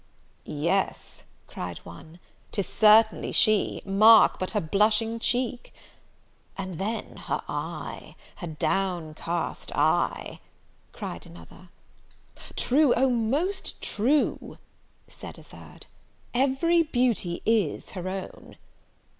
"Yes," cried one," 'tis certainly she! mark but her blushing cheek!" "And then her eye her downcast eye!" cried another. "True, oh most true," said a third, "every beauty is her own!"